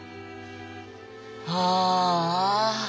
ああ。